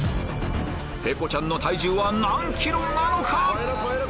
ペコちゃんの体重は何ｋｇなのか⁉超えろ！